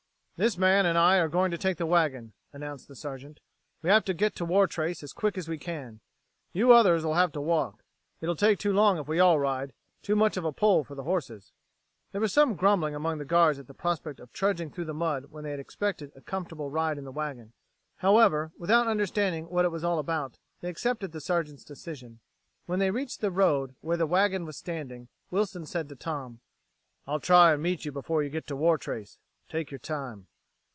"This man and I are going to take the wagon," announced the Sergeant. "We have to get to Wartrace as quick as we can. You others 'll have to walk. It'll take too long if we all ride too much of a pull for the horses." There was some grumbling among the guards at the prospect of trudging through the mud when they had expected a comfortable ride in the wagon. However, without understanding what it all was about, they accepted the Sergeant's decision. When they reached the road where the wagon was standing, Wilson said to Tom: "I'll try and meet you before you get to Wartrace. Take your time."